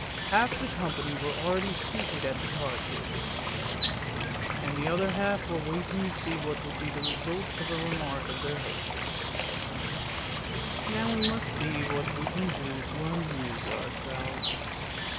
Half the company were already seated at the card tables, and the other half were waiting to see what would be the result of a remark of their hostess —" Now we must see what we can do to amuse ourselves."